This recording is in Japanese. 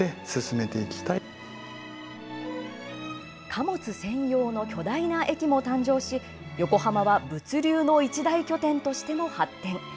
貨物専用の巨大な駅も誕生し横浜は物流の一大拠点としても発展。